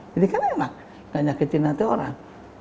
jadi kan enak enggak nyakitin hati orang